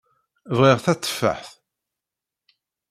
Bɣiɣ tateffaḥt.